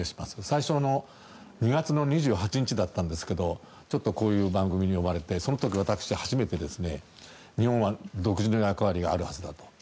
最初の２月２８日だったんですがこういう番組に呼ばれてその時、私は初めて日本は独自の役割があるはずだと。